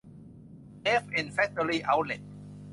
เอฟเอ็น แฟคตอรี่ เอ๊าท์เลท